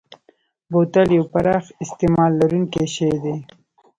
بوتل یو پراخ استعمال لرونکی شی دی.